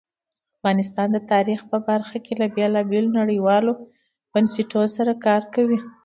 افغانستان د تاریخ په برخه کې له بېلابېلو نړیوالو بنسټونو سره کار کوي.